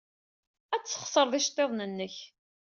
Ad tesxeṣred iceḍḍiḍen-nnek.